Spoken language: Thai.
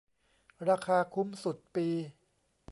ราคาคุ้มสุด ปี